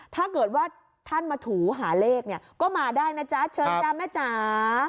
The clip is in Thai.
ถ้าเกิดว่าท่านมาถูหาเลขเนี่ยก็มาได้นะจ๊ะเชิญจ้าแม่จ๋า